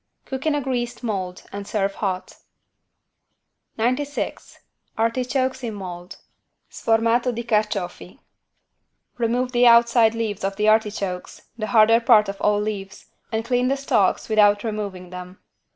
Cook in a greased mold and serve hot. 96 ARTICHOKES IN MOLD (Sformato di carciofi) Remove the outside leaves of the artichokes, the harder part of all leaves, and clean the stalks without removing them.